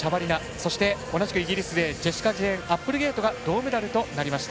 そして、同じくイギリスのジェシカジェーン・アップルゲイトが銅メダルとなりました。